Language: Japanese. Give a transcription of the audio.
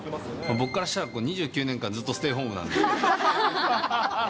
僕からしたら２９年間、ずっとステイホームなんで。